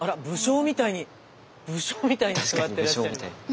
武将みたいに座ってらっしゃるわ。